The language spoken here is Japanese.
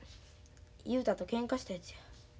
雄太とけんかしたやつや。